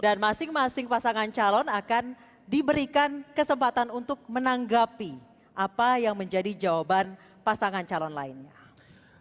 dan masing masing pasangan calon akan diberikan kesempatan untuk menanggapi apa yang menjadi jawaban pasangan calon lainnya